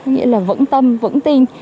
nghĩa là vẫn tâm vẫn tin